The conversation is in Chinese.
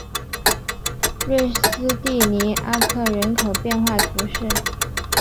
瑞斯蒂尼阿克人口变化图示